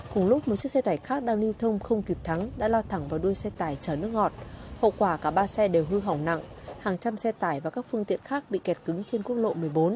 cùng lúc một chiếc xe tải khác đang lưu thông không kịp thắng đã lao thẳng vào đuôi xe tải chở nước ngọt hậu quả cả ba xe đều hư hỏng nặng hàng trăm xe tải và các phương tiện khác bị kẹt cứng trên quốc lộ một mươi bốn